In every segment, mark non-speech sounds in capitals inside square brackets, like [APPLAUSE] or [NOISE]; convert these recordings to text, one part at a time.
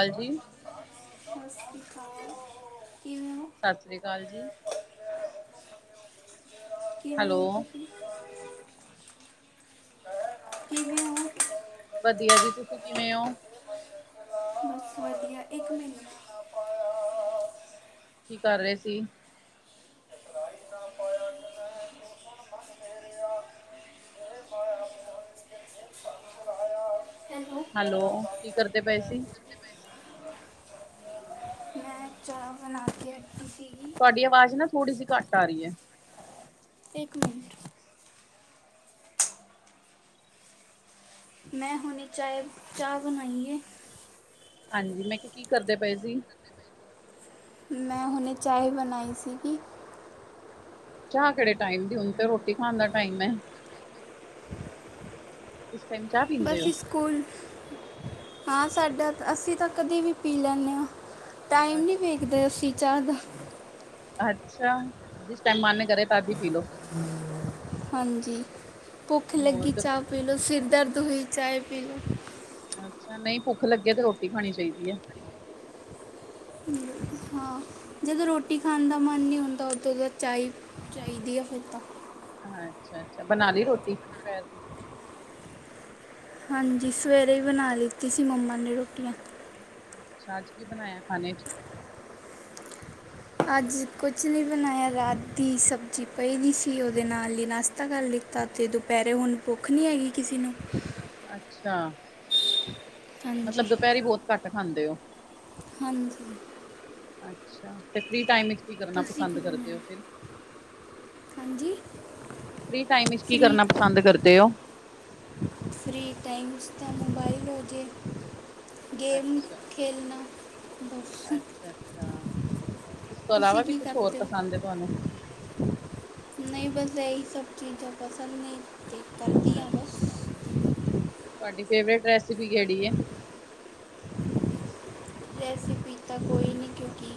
ਹਾਂਜੀ, ਸਤਿ ਸ਼੍ਰੀ ਅਕਾਲ ਕਿਵੇਂ ਹੋ ਸਤਿ ਸ੍ਰੀ ਅਕਾਲ ਜੀ। ਕਿਵੇਂ ਹੈਲੋ। ਹੋ ਤੁਸੀਂ ਕਿਵੇਂ? ਹੋ ਵਧੀਆ ਜੀ, ਤੁਸੀ ਕਿਵੇਂ ਓ? ਬਸ ਵਧੀਆ, ਇੱਕ ਮਿੰਟ। ਕੀ ਕਰ ਰਹੇ ਸੀ? ਹੈਲੋ ਹੈਲੋ, ਕੀ ਕਰਦੇ ਪਏ ਸੀ? ਮੈਂ ਚਾਹ ਬਣਾ ਕੇ ਰੱਖੀ ਸੀਗੀ ਤੁਹਾਡੀ ਆਵਾਜ਼ ਨਾ ਥੋੜੀ ਜਿਹੀ ਘੱਟ ਆ ਰਹੀ ਐ। ਤੇ ਇੱਕ ਮਿੰਟ। ਚਾਯ ਚਾਹ ਬਣਾਈਏ। ਹਾਂਜੀ, ਮੈਂ ਕਿਹਾ ਕੀ ਕਰਦੇ ਪਏ ਸੀ? ਹੁਨੇ ਚਾਏ ਬਣਾਈ ਸੀਗੀ। ਚਾਹ ਕਿਹੜੇ ਟਾਈਮ ਦੀ ਹੁਣ ਤੇ ਰੋਟੀ ਖਾਣ ਦਾ ਟਾਈਮ ਐ। ਇਸ ਟਾਈਮ ਚਾਹ? ਪੀਂਦੇ ਬਸ ਹੋ ਸਕੂਲ ਹਾਂ ਸਾਡਾ ਤਾਂ ਅਸੀ ਤਾਂ ਕਦੀ ਵੀ ਪੀ ਲੈਂਨੇ ਆਂ। ਟਾਈਮ ਨੀ ਵੇਖਦੇ ਅਸੀ ਚਾਹ ਦਾ। ਅੱਛਾ, ਜਿਸ ਟਾਈਮ ਮਨ ਕਰੇ ਤਦ ਈ ਪੀ ਲੋ। ਹਾਂਜੀ, ਭੁੱਖ ਹੋਰ ਲੱਗੀ ਚਾਹ ਪੀ ਲੋ ਸਿਰ ਦਰਦ ਹੋਈ ਚਾਏ ਪੀ ਲੋ। ਅੱਛਾ, ਨਈ ਭੁੱਖ ਲੱਗੇ ਤੇ ਰੋਟੀ ਖਾਨੀ ਚਾਈਦੀ ਐ। ਹਾਂ, ਜਦੋਂ ਰੋਟੀ ਖਾਨ ਦਾ ਮਨ ਨੀ ਹੁੰਦਾ ਉਦੋਂ ਤਾਂ ਚਾਈ ਚਾਈਦੀ ਆ ਫਿਰ ਤਾਂ। ਅੱਛਾ-ਅੱਛਾ, ਬਣਾ ਲੀ ਰੋਟੀ ਦੁਪੈਰ ਦੀ। ਹਾਂਜੀ ਸਵੇਰੇ ਈ ਬਨਾ ਲਿਤੀ ਸੀ ਮੰਮਾ ਨੇ ਰੋਟੀਆਂ। ਅੱਛਾ ਅੱਜ ਕੀ ਬਨਾਏਆ ਖਾਣੇ ਚ। ਅੱਜ ਕੁਛ ਨੀ ਬਨਾਏਆ ਰਾਤ ਦੀ ਸਬਜ਼ੀ ਪਈ ਦੀ ਸੀ ਓਦੇ ਨਾਲ ਈ ਨਾਸ਼ਤਾ ਕਰ ਲੀ ਤਾਂ ਤੇ ਦੁਪੈਰੇ ਹੁਨ ਭੁੱਖ ਨੀ ਹੈਗੀ ਕਿਸੇ ਨੂੰ। ਅੱਛਾ, ਹਾਂਜੀ ਮਤਲਬ ਦੁਪੈਰੀ ਬੋਤ ਘੱਟ ਖਾਂਦੇ ਹੋ। ਹਾਂਜੀ। ਅੱਛਾ ਤੇ ਫਰੀ ਟਾਈਮ ਵਿੱਚ ਕੀ ਕਰਨਾ ਤੁਸੀਂ ਕੀ ਪਸੰਦ ਕਰਦੇ ਹੋ ਬਣਾਇਆ ਫਿਰ। ਹਾਂਜੀ। ਫਰੀ ਟਾਈਮ ਵਿੱਚ ਕੀ ਫ੍ਰੀ ਕਰਨਾ ਪਸੰਦ ਕਰਦੇ ਓਂ। ਫਰੀ ਟਾਈਮ ਵਿਚ ਤਾਂ ਮੋਬਾਇਲ ਹੋਜੇ। ਗੇਮ ਖੇਲਨਾ। ਅੱਛਾ-ਅੱਛਾ, ਇਸ ਤੋਂ ਇਲਾਵਾ ਤੁਸੀਂ ਵੀ ਕੁਛ ਹੋਰ ਪਸੰਦ ਏ ਤਹਾਨੂੰ। ਨਈ ਬਸ ਏਈ ਸਭ ਚੀਜ਼ਾਂ ਪਸੰਦ ਨੇ ਤੇ ਕਰਦੀਆਂ ਵਾਂ। ਚੱਲ, ਤੁਹਾਡੀ ਫੇਵਰੇਟ ਰੈਸਪੀ ਕੇੜੀ ਐ। ਰੈਸਪੀ ਤਾਂ ਕੋਈ ਨੀ ਕਿਉਂਕਿ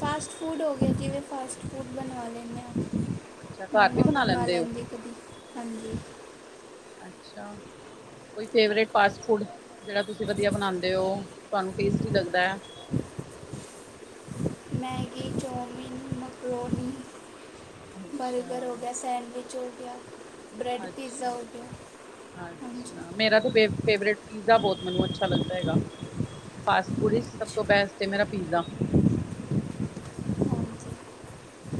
ਫਾਸਟ ਫੂਡ ਹੋ ਗਿਆ ਜਿਵੇਂ ਫਾਸਟ ਫੂਡ ਬਨਵਾ ਲੈਂਨੇ ਆਂ। ਅੱਛਾ ਘਰ ਵੀ ਮੰਮਾ ਬਣਾ ਬਨਵਾ ਲੈਂਦੇ ਹੋ ਲੈਂਦੀ ਕਦੀ, ਹਾਂਜੀ। ਅੱਛਾ, ਕੋਈ ਫੇਵਰੇਟ ਫਾਸਟ ਫੂਡ। ਜਿਹੜਾ ਤੁਸੀਂ ਵਦੀਆ ਬਨਾਂਦੇ ਓ, ਤਹਾਨੂੰ ਟੇਸਟੀ ਲੱਗਦਾ ਐ। ਮੈਗੀ, ਚਊਮਿਨ, ਮਕਰੋਨੀ ਅੱਛਾ ਬਰਗਰ ਹੋ ਗਿਆ, ਸੈਂਡਵਿਚ ਹੋ ਗਿਆ। ਬ੍ਰੈਡ ਅੱਛਾ ਪੀਜ਼ਾ ਹੋ ਗਿਆ, ਹਾਂਜੀ। ਅੱਛਾ ਮੇਰਾ ਤੇ ਫੇਵ ਫੇਵਰੇਟ ਪੀਜ਼ਾ ਬਹੋਤ ਮੈਨੂੰ ਅੱਛਾ ਲੱਗਦਾ ਹੈਗਾ। ਫਾਸਟ ਫੂਡ ਵਿਚ ਸਭ ਤੋਂ ਹਾਂਜੀ ਬੈਸਟ ਏ ਮੇਰਾ ਪੀਜ਼ਾ।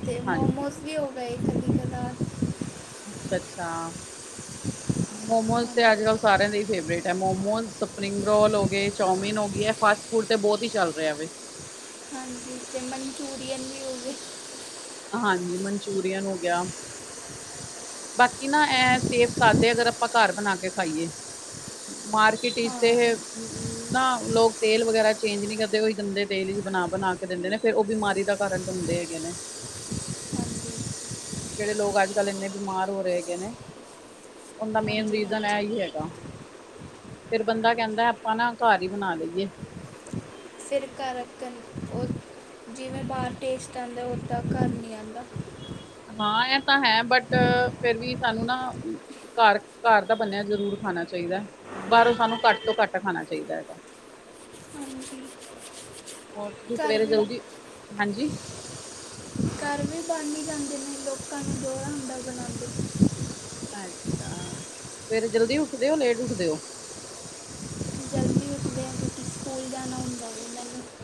ਤੇ ਹਾਂਜੀ ਮੋਮੋਸ ਵੀ ਹੋ ਗਏ ਕਦੀ ਕਦਾਰ। ਅੱਛਾ-ਅੱਛਾ। ਹ। ਮੋਮੋਜ ਤੇ ਅੱਜ-ਕੱਲ ਸਾਰਿਆਂ ਦੇ ਈ ਫੇਵਰੇਟ ਐ ਮੋਮੋਜ਼, ਸਪਰਿੰਗ ਰੋਲ ਹੋ ਗਏ ਚੌਮਿਨ ਹੋ ਗਈ ਐ ਫਾਸਟ ਹੁਨ ਤੇ ਬੋਤ ਈ ਚੱਲ ਰਿਆ ਵੇ। ਹਾਂਜੀ ਚੰ ਮਨਚੂਰੀਅਨ ਵੀ ਹੋਗੇ। ਹਾਂਜੀ, ਮਨਚੂਰੀਅਨ ਹੋ ਗਿਆ। ਬਾਕੀ ਨਾ ਐਂ ਸੇਫ ਕਰਦੇ ਅਗਰ ਆਪਾਂ ਘਰ ਬਨਾ ਕੇ ਖਾਈਏ। ਮਾਰਕੀਟ ਹਾਂ ਵਿਚ ਤੇ ਏਹੇ। ਨਾ ਲੋਕ ਤੇਲ ਵਗੈਰਾ ਚੇਂਜ ਨੀ ਕਰਦੇ ਓਹੀ ਗੰਦੇ ਤੇਲ ਵਿਚ ਬਣਾ-ਬਣਾ ਕੇ ਦਿੰਦੇ ਨੇ। ਫੇਰ ਓ ਬਿਮਾਰੀ ਦਾ ਕਾਰਨ ਬਨਦੇ ਹੈਗੇ ਨੇ, ਜਿਹੜੇ ਲੋਕ ਅੱਜ-ਕੱਲ ਏਨੇ ਬਿਮਾਰ ਹੋ ਰਏ ਹੈਗੇ ਨੇ, ਓਨ ਦਾ ਮੇਨ ਹਾਂਜੀ ਹਾਂਜੀ ਰੀਜ਼ਨ ਐਈ ਹਾਂਜੀ ਹੈਗਾ। ਫੇਰ ਬੰਦਾ ਕੈਂਦਾ ਆਪਾਂ ਨਾ ਘਰ ਈ ਬਨਾ ਲਈਏ। ਫਿਰ ਘਰ ਕ ਓ ਜਿਵੇਂ ਬਾਰ ਟੇਸਟ ਆਂਦਾ ਓਦਾਂ ਘਰ ਨੀ ਆਂਦਾ। ਹਾਂ ਐਹ ਤਾਂ ਹੈ ਬਟ ਫੇਰ ਵੀ ਸਾਨੂੰ ਨਾ ਘਰ, ਘਰ ਦਾ ਬਨਿਆ ਜ਼ਰੂਰ ਖਾਣਾ ਚਾਹੀਦਾ। ਬਾਹਰੋਂ ਸਾਨੂੰ ਘੱਟ ਤੋਂ ਘੱਟ ਖਾਣਾ ਚਾਹੀਦਾ ਹੈਗਾ। ਹਾਂਜੀ ਹੋਰ ਤੁਸੀਂ ਘਰ ਸਵੇਰੇ ਵੀ ਜਲਦੀ ਹਾਂਜੀ? ਘਰ ਵੀ ਬਣ ਈ ਜਾਂਦੇ ਨੇ ਲੋਕਾਂ ਨੂੰ ਦੋਹਰਾ ਹੁੰਦਾ ਬਣਾਉਂਦੇ। ਅੱਛਾ, ਸਵੇਰੇ ਜਲਦੀ ਉੱਠਦੇ ਹੋ ਲੇਟ ਉੱਠਦੇ ਹੋ? ਜਲਦੀ ਉੱਠਦੇ ਆ ਕਿਉਂਕਿ ਸਕੂਲ ਜਾਣਾ ਹੁੰਦਾ ਇਹਨਾਂ ਨੂੰ।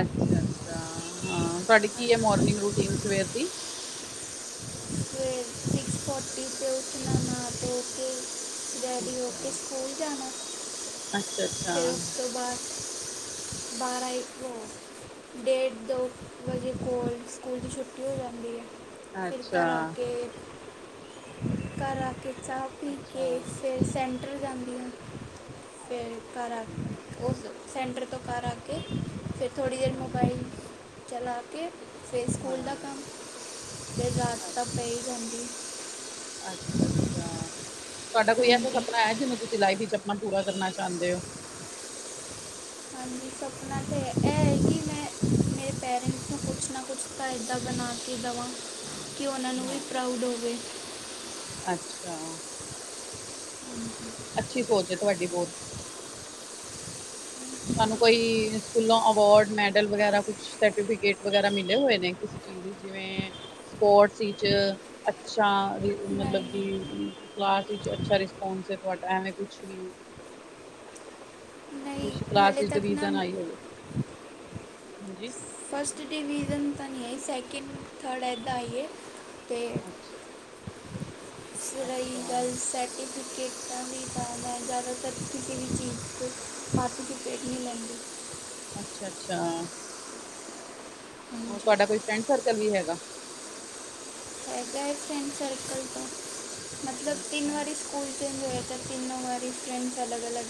ਅੱਛਾ, ਅੱਛਾ ਹਾਂ ਤੁਹਾਡੀ ਕੀ ਹੈ ਹਾਂਜੀ ਮੋਰਨਿੰਗ ਰੂਟੀਨ ਸਵੇਰ ਦੀ? ਫਿਰ ਸਿਕਸ ਫੋਰਟੀ ਤੇ ਉੱਠਣਾ ਨਹਾ ਧੋ ਕੇ ਰੈਡੀ ਹੋ ਕੇ ਅੱਛਾ ਸਕੂਲ ਜਾਣਾ। ਅੱਛਾ, ਅੱਛਾ। ਬਾਰਾਂ ਬਾਰਾ ਇੱਕੋ ਡੇਢ ਦੋ ਵਜੇ ਕੋਲ ਸਕੂਲ ਦੀ ਛੁੱਟੀ ਹੋ ਜਾਂਦੀ ਹੈ। ਫਿਰ ਘਰ ਆ ਅੱਛਾ ਕੇ, ਘਰ ਆ ਕੇ ਚਾਹ ਪੀ ਕੇ, ਅੱਛਾ ਫਿਰ ਸੈਂਟਰ ਜਾਂਦੀ ਆ, ਫੇਰ ਘਰ ਆ ਹਮ, ਕੇ ਉਸ ਸੈਂਟਰ ਤੋਂ ਘਰ ਆ ਕੇ, ਫਿਰ ਥੋੜ੍ਹੀ ਦੇਰ ਅੱਛਾ ਮੋਬਾਈਲ ਚਲਾ ਕੇ ਫਿਰ ਸਕੂਲ ਦਾ ਹਾਂ ਕੰਮ, ਫੇਰ ਰਾਤ ਅ- ਤਾਂ ਪੈਈ ਜਾਂਦੀ ਏ। ਅੱਛਾ ਅੱਛਾ, ਤੁਹਾਡਾ ਕੋਈ ਐਸਾ ਹਾਂਜੀ ਸਪਨਾ ਹੈ ਜਿਹਨੂੰ ਤੁਸੀਂ ਲਾਈਫ ਵਿੱਚ ਆਪਣਾ ਪੂਰਾ ਕਰਨਾ ਚਾਹੁੰਦੇ ਹੋ? ਹਾਂਜੀ, ਸੁਪਨਾ ਤੇ ਐ, ਇਹ ਕਿ ਮੈਂ ਮੇਰੇ ਪੇਰੈਂਟਸ ਨੂੰ ਕੁਛ ਨਾ ਕੁਛ ਤਾਂ ਏਦਾਂ ਬਣਾ ਕੇ ਦਵਾਂ। ਕਿ ਉਹਨਾਂ ਨੂੰ ਵੀ ਹਾਂ ਪ੍ਰਾਊਡ ਹੋਵੇ। ਅੱਛਾ। ਹੂ। ਅੱਛੀ ਸੋਚ ਏ ਤੁਹਾਡੀ ਬਹੁਤ। ਤੁਹਾਨੂੰ ਕੋਈ ਸਕੂਲੋਂ ਅਵਾਰਡ ਮੈਡਲ ਵਗੈਰਾ, ਕੁਛ ਸਰਟੀਫਿਕੇਟ ਵਗੈਰਾ ਮਿਲੇ ਹੋਏ ਨੇ? ਕਿਸੇ ਚ ਜਿਵੇਂ ਸਪੋਰਟਸ ਵਿੱਚ ਅੱਛਾ ਮਤਲਬ ਨਹੀਂ ਕਿ ਕਲਾਸ ਵਿਚ ਅੱਛਾ ਰਿਸਪੋਂਸ ਏ ਤੁਹਾਡਾ ਐਵੇਂ ਕੁਛ ਵੀ। ਕੁਛ ਕਲਾਸ ਵਿੱਚ ਡਿਵੀਜ਼ਨ ਆਈ ਹੋਵੇ, ਹਾਂਜੀ। ਫਸਟ ਡਿਵੀਜ਼ਨ ਤਾਂ ਨਹੀਂ ਆਈ, ਸੈਕਿੰਡ, ਥਰਡ ਐਦਾਂ ਆਈ ਏ ਤੇ ਅੱਛਾ। ਫਿਰ ਰਹੀ ਗੱਲ ਸਰਟੀ ਫਿਕੇਟਾ ਦੀ ਤਾਂ ਮੈ ਜ਼ਿਆਦਾਤਰ ਕਿਸੇ ਵੀ ਚੀਜ਼ ਚ ਪਾਰਟੀਸਪੇਟ ਨਹੀਂ ਲੈਂਦੀ। ਅੱਛਾ ਅੱਛਾ, ਹੋਰ ਹਾਂਜੀ ਤੁਹਾਡਾ ਕੋਈ ਫਰੈਂਡ ਸਰਕਲ ਵੀ ਹੈਗਾ? ਹੈਗਾ ਏ ਫ੍ਰੈਂਡ ਸਰਕਲ ਤਾਂ ਮਤਲਬ ਤਿੰਨ ਅੱਛਾ ਵਾਰੀ ਸਕੂਲ ਚੇਂਜ ਹੋਇਆ ਤਾਂ ਤਿੰਨੋ ਵਾਰੀ ਫਰੈਂਡਜ ਅਲੱਗ ਅਲੱਗ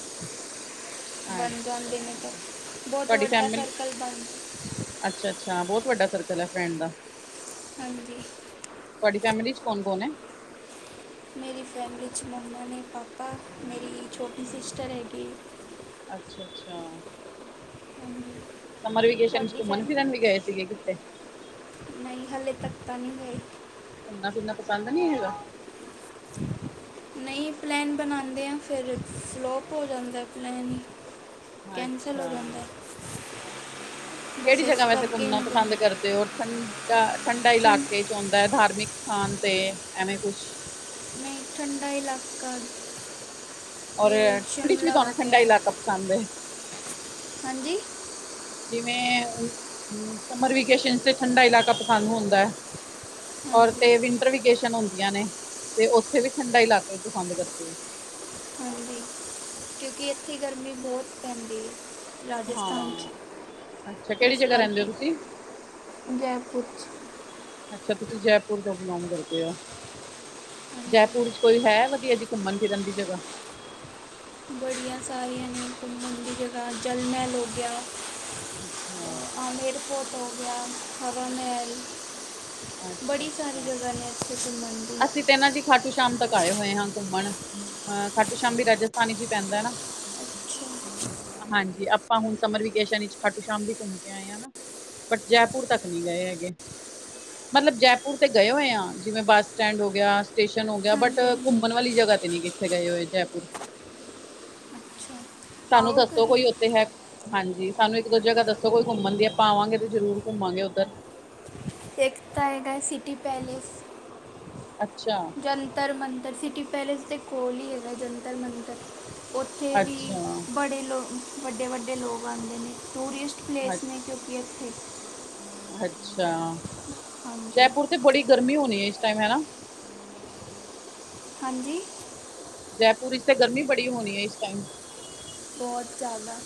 ਬਣ ਜਾਦੇ ਅੱਛਾ ਨੇ ਤਾਂ ਬਹੁਤ ਤੁਹਾਡੀ ਵੱਡਾ ਫੈਮਿਲੀ ਸਰਕਲ ਬਣ ਅੱਛਾ, ਅੱਛਾ ਬਹੁਤ ਵੱਡਾ ਸਰਕਲ ਹੈ ਫਰੈਂਡ ਦਾ। ਹਾਂਜੀ। ਤੁਹਾਡੀ ਫੈਮਿਲੀ ਚ ਕੌਣ ਕੌਣ ਐ? ਮੇਰੀ ਫੈਮਿਲੀ 'ਚ ਮੰਮੀ ਨੇ, ਪਾਪਾ, ਮੇਰੀ ਛੋਟੀ ਸਿਸਟਰ ਹੈਗੀ। ਅੱਛਾ, ਅੱਛਾ। ਹਮ। ਸਮਰ ਵੇਕੇਸ਼ਨ ਚ ਘੁੰਮਣ ਫਿਰਨ ਵੀ ਗਏ ਸੀਗੇ ਕਿਤੇ? ਹੱਲੇ ਤੱਕ ਤਾਂ ਨਹੀਂ ਗਏ। ਘੁੰਮਣਾ ਫਿਰਨਾ ਪਸੰਦ ਨਹੀਂ ਹੈਗਾ? ਕੀ ਪਲੈਨ ਬਣਾਉਂਦੇ ਹਾਂ, ਫਿਰ ਫਲੋਪ ਹੋ ਜਾਂਦਾ ਪਲੈਨ ਹੀ। ਕੈਂਸਲ ਅੱਛਾ ਹੋ ਜਾਂਦਾ। ਬਸ ਕਿਹੜੀ ਇਸ ਜਗ੍ਹਾ ਵੈਸੇ ਕਰਕੇ ਹੀ ਘੁੰਮਣਾ ਨਹੀਂ ਪਸੰਦ ਬਣਾਉਂਦੇ। ਕਰਦੇ ਹੋ ਠੰਡਾ ਠੰਡਾ ਠੰਡ ਇਲਾਕੇ ਚ? ਹੁੰਦਾ ਧਾਰਮਿਕ ਸਥਾਨ ਤੇ ਐਵੇਂ ਕੁਛ ਨਹੀਂ ਠੰਡਾ ਇਲਾਕਾ। ਔਰ ਜਿਵੇਂ ਠੰਡੀ ਚ ਵੀ ਸ਼ਿਮਲਾ ਹੋ ਤੁਹਾਨੂੰ ਠੰਢਾ ਗਿਆ ਇਲਾਕਾ ਪਸੰਦ ਆ? ਹਾਂਜੀ। ਜਿਵੇਂ ਸਮਰ ਵੇਕੇਸ਼ਨ ਚ ਤੇ ਠੰਢਾ ਇਲਾਕਾ ਪਸੰਦ ਹੁੰਦਾ। ਔਰ ਹਾਂਜੀ ਤੇ ਵਿੰਟਰ ਵਕੇਸ਼ਨ ਹੁੰਦੀਆਂ ਨੇ, ਤੇ ਉੱਥੇ ਵੀ ਠੰਡਾ ਇਲਾਕੇ ਪਸੰਦ ਕਰਦੇ ਹੋ? ਹਾਂਜੀ ਕਿਉਂਕਿ ਇੱਥੇ ਗਰਮੀ ਬਹੁਤ ਪੈਂਦੀ, ਰਾਜਸਥਾਨ 'ਚ, ਹਾਂ ਅੱਛਾ ਕਿਹੜੀ ਇਸ ਜਗ੍ਹਾ ਰਹਿੰਦੇ ਹੋ ਕਰਕੇ, ਤੁਸੀਂ ਜੈਪੁਰ 'ਚ ਅੱਛਾ, ਤੁਸੀਂ ਜੈਪੁਰ ਤੋਂ ਬਿਲੋਂਗ ਕਰਦੇ ਹੋ। ਜੈਪੁਰ ਹਾਂਜੀ ਚ ਕੋਈ ਹੈ ਵਧੀਆ ਜੀ ਘੁੰਮਣ ਫਿਰਨ ਦੀ ਜਗ੍ਹਾ? ਬਹੁਤ ਸਾਰੀਆਂ ਨੇ ਘੁੰਮਣ ਦੀਆਂ ਜਗਾ ਜਲ ਮਹਿਲ ਹੋ ਗਿਆ, ਅੱਛਾ। ਏਅਰਪੋਰਟ ਹੋ ਗਿਆ, ਹਵਾ ਮਹਿਲ, ਅੱਛਾ, ਬੜੀ ਸਾਰੀ ਅੱਛਾ। ਜਗ੍ਹਾ ਨੇ। ਘੁੰਮਣ ਨੂੰ, ਅਸੀਂ ਤੇ ਨਾ ਜੀ ਖਾਟੂ ਸ਼ਾਮ ਤੱਕ ਆਏ ਹੋਏ ਹਾਂ ਘੁੰਮਣ। ਅਹ ਖਾਟੂ ਸ਼ਾਮ ਦੀ ਰਾਜਸਥਾਨੀ ਚ ਹੀ ਪੈਂਦਾ ਹੈ ਨਾ, ਹਾਂਜੀ ਆਪਾਂ ਹੁਣ ਸਮਰ ਵਿਕੇਸ਼ਨ ਵਿੱਚ ਖਾਟੂ ਸ਼ਾਮ ਵੀ ਘੁੰਮ ਕੇ ਆਏ ਆ ਨਾ। ਬਟ ਜੈਪੁਰ ਤੱਕ ਨਹੀ ਗਏ ਹੈਗੇ, ਮਤਲਬ ਜੈਪੁਰ ਤੇ ਗਏ ਹੋਏ ਆ ਜਿਵੇਂ ਬਸ, ਸਟੈਂਡ ਹੋ ਗਿਆ ਸਟੇਸ਼ਨ ਹੋ ਗਿਆ ਬਟ ਘੁੰਮਣ ਵਾਲੀ ਜਗ੍ਹਾ ਤੇ ਨੀ ਕਿੱਥੇ ਗਏ ਹੋਏ ਜੈਪੁਰ, ਸਾਨੂੰ ਦੱਸੋ ਕੋਈ ਉੱਥੇ ਹੈ, ਹਾਂਜੀ ਸਾਨੂੰ ਇੱਕ ਦੋ ਜਗ੍ਹਾ ਦੱਸੋ ਕੋਈ ਘੁੰਮਣ ਦੀ ਆਪਾਂ ਆਵਾਂਗੇ ਤੇ ਜ਼ਰੂਰ ਘੁੰਮਾਂਗੇ ਉੱਧਰ, [UNINTELLIGIBLE] ਸਿਟੀ ਪੈਲੇਸ ਅੱਛਾ, ਜੰਤਰ ਮੰਤਰ ਸਿਟੀ ਪੈਲੇਸ ਦੇ ਕੋਲ ਹੀ ਹੈਗਾ ਜੰਤਰ ਮੰਤਰ ਉੱਥੇ ਵੀ ਅੱਛਾ, ਬੜੇ ਲੋਕ ਵੱਡੇ-ਵੱਡੇ ਲੋਕ ਆਂਦੇ ਨੇ ਟੂਰਿਸਟ, ਅੱਛਾ। ਪਲੇਸ ਨੇ ਜੋ ਕੀ ਇੱਥੇ, ਅੱਛਾ, ਹਾਂਜੀ ਜੈਪੁਰ ਤੇ ਬੜੀ ਗਰਮੀ ਹੋਣੀ ਹੈ ਇਸ ਟਾਈਮ ਹੈਨਾ, ਹਾਂਜੀ, ਜੈਪੁਰ ਵਿੱਚ ਤੇ ਗਰਮੀ ਬੜੀ ਹੋਣੀ ਹੈ ਇਸ ਟਾਈਮ, ਬੋਤ ਜ਼ਿਆਦਾ,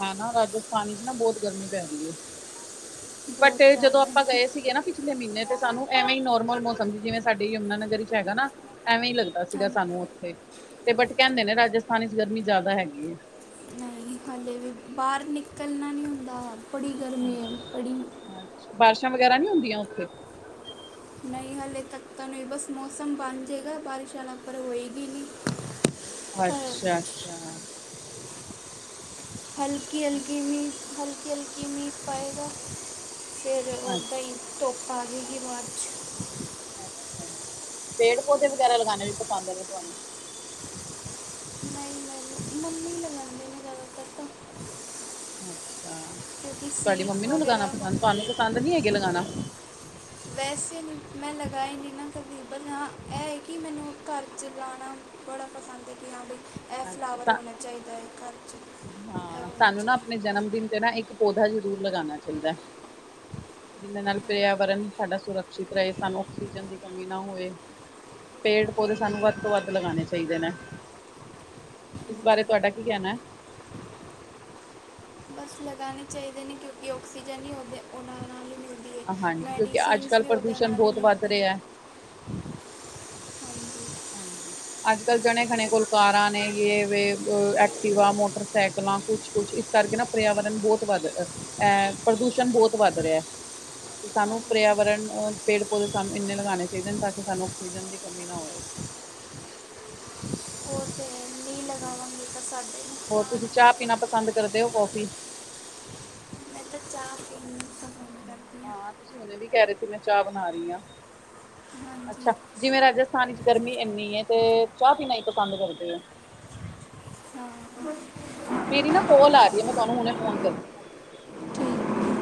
ਹੈਨਾ ਰਾਜਸਥਾਨੀ ਚ ਨਾ ਬੋਤ ਗਰਮੀ ਪੈ ਰਹੀ ਏ। ਬਟ ਬਹੁਤ ਜਦੋਂ ਜ਼ਿਆਦਾ ਆਪਾਂ ਗਏ ਸੀਗੇ ਨਾ, ਪਿਛਲੇ ਮਹੀਨੇ ਤੇ ਸਾਨੂੰ ਐਵੇਂ ਹੀ ਨੋਰਮਲ ਮੌਸਮ ਸੀ ਜਿਵੇਂ ਸਾਡ ਯਮੁਨਾ ਨਗਰ ਚ ਹੈਗਾ ਨਾ, ਐਵੇਂ ਹੀ ਲੱਗਦਾ ਸੀਗਾ ਹਾਂ ਸਾਨੂੰ ਉੱਥੇ ਤੇ ਬਟ ਕਹਿੰਦੇ ਨੇ ਰਾਜਸਥਾਨੀ ਚ ਗਰਮੀ ਜ਼ਿਆਦਾ ਹੈਗੀ ਏ। ਨਹੀਂ ਹਾਲੇ ਵੀ ਬਾਹਰ ਨਿਕਲਣਾ ਨਹੀਂ ਹੁੰਦਾ ਬੜੀ ਗਰਮੀ ਬੜੀ ਬਾਰਿਸ਼ਾਂ ਵਗੈਰਾ ਨੀ ਹੁੰਦੀਆਂ ਉੱਥੇ, ਨਹੀਂ ਹਾਲੇ ਤੱਕ ਤਾ ਨਹੀ ਬਸ ਮੌਸਮ ਬਣ ਜਾਵੇਗਾ ਬਾਰਿਸ਼ ਵਾਲਾ ਪਰ ਹੋਏਗੀ ਨੀ, ਅੱਛਾ-ਅੱਛਾ, ਹਲਕੀ-ਹਲਕੀ ਮੀਂਹ ਹਲਕੀ-ਹਲਕੀ ਮੀਂਹ ਪਏਗਾ, ਫਿਰ ਓਦਾ ਹੀ ਧੁੱਪ ਆ ਜੇਗੀ ਬਾਅਦ 'ਚ, ਅੱਛਾ, ਪੇੜ ਪੌਦੇ ਵਗੈਰਾ ਲਗਾਣੇ ਵੀ ਪਸੰਦ ਨੇ ਤੁਹਾਨੂੰ? ਨਹੀ-ਨਹੀ, ਮਨ ਨਹੀਂ ਲਗਾ [UNINTELLIGIBLE] ਅੱਛਾ ਕਿਉਂਕਿ ਤੁਹਾਡੀ ਸੀਡਸ ਮਮੀ ਨੂੰ ਲਗਾਣਾ ਵਗੈਰਾ ਪਸੰਦ ਤੁਹਾਨੂੰ ਮੰਮੀ ਪਸੰਦ ਨਹੀਂ ਹੈਗੇ ਲਗਾਣਾ ਵੈਸੇ ਨਹੀਂ ਮੈਂ ਲਗਾਏ ਨਈ ਨਾਂ ਕਦੀ ਬਟ ਹਾਂ ਇਹ ਕਿ ਮੈਨੂੰ ਘਰ 'ਚ ਲਾਉਣਾ [INAUDIBLE] ਜਾਂ ਇਹ ਫਲਾਵਰ ਅੱਛਾ ਹੋਣਾ ਚਾਹੀਦਾ ਹੈ ਘਰ [UNINTELLIGIBLE] ਹਾਂ ਸਾਨੂੰ ਨਾ ਆਪਣੇ ਜਨਮ ਦਿਨ ਤੇ ਨਾ ਇੱਕ ਪੌਦਾਾ ਜ਼ਰੂਰ ਲਗਾਉਣਾ ਚਾਹੀਦਾ ਜਿਹਦੇ ਨਾਲ ਪਰਿਆਵਰਨ ਸਾਡਾ ਸੁਰੱਖਸ਼ਿਤ ਰਹੇ ਸਾਨੂੰ ਆਕਸੀਜਨ ਦੀ ਕਮੀ ਨਾ ਹੋਵੇ ਪੇੜ ਪੌਦੇ ਸਾਨੂੰ ਵੱਧ ਤੋਂ ਹਾਂਜੀ। ਵੱਧ ਲਗਾਣੇ ਚਾਹੀਦੇ ਨੇ ਇਸ ਬਾਰੇ ਤੁਹਾਡਾ ਕੀ ਕਹਿਣਾ ਬਸ ਲਗਾਉਣੇ ਚਾਹੀਦੇ ਨੇ ਕਿਉਂਕਿ ਆਔਕਸੀਜਨ ਹੀ ਉਹਦੇ ਉਹਨਾਂ ਨਾਲ ਮਿਲ ਹਾਂਜੀ ਕਿਉਂਕਿ ਅੱਜ ਕੱਲ੍ਹ ਪ੍ਰਦੂਸ਼ਣ ਹੀ ਬਹੁਤ ਵੱਧ ਮਿਲਦੀ ਹੈ ਰਿਹਾ ਹਾਂਜੀ ਅੱਜ ਕੱਲ ਜਣੇ ਖਣੇ ਕੋਲ ਕਾਰਾਂ ਨੇ ਯ ਐਕਟਿਵਾ ਮੋਟਰਸਾਈਕਲਾਂ ਕੁਛ ਕੁਛ ਇਸ ਕਰਕੇ ਨਾ ਪਰਿਆਵਰਨ ਬਹੁਤ ਵੱਧ ਐ ਪ੍ਰਦੂਸ਼ਣ ਬਹੁਤ ਵੱਧ ਰਿਹਾ ਤੇ ਸਾਨੂੰ ਹਾਂਜੀ ਹਾਂਜੀ ਪਰਿਆਵਰਨ ਅਹ ਪੇੜ ਪੌਦੇ ਸਾਨੂੰ ਇਨ ਲਗਾਉਣੇ ਚਾਹੀਦੇ ਨੇ ਤਾਂ ਕਿ ਸਾਨੂੰ ਆਕਸੀਜਨ ਦੀ ਕਮੀ ਨਾ ਹੋਏ [INAUDIBLE] ਹਾਂਜੀ [INAUDIBLE] ਤਾਂ ਸਾਡੇ ਹੋਰ ਨੁਕਸਾਨ ਤੁਸੀਂ ਹੈ। ਚਾਹ ਪੀਣਾ ਪਸੰਦ ਕਰਦੇ ਹੋ ਕੌਫੀ ਮੈਂ ਤਾਂ ਚਾਹ ਪੀਣੀ ਹਾਂ ਤੁਸੀਂ ਹੁਣੇ ਵੀ ਕਹਿ ਰਹੇ ਸੀ ਮੈਂ ਚਾਹ ਬਣਾ ਰਹੀ ਹਾਂ ਹਾਂਜੀ ਅੱਛਾ ਜਿਵੇਂ ਹਾਂ ਰਾਜਸਥਾਨ ਚ ਗਰਮੀ ਇੰਨੀ ਹੈ ਤੇ ਚਾਹ ਪੀਣਾ ਹੀ ਪਸੰਦ ਕਰਦੇ ਹੋ ਮੇਰੀ ਨਾ ਕੋਲ ਆ ਰਹੀ ਹੈ ਮੈਂ ਤੁਹਾਨੂੰ ਹੁਣੇ ਫੋਨ ਕਰਦੀ ਹਾਂ। ਠੀਕ